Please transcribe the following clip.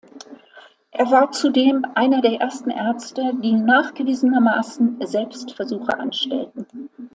Er war zudem einer der ersten Ärzte, die nachgewiesenermaßen Selbstversuche anstellten.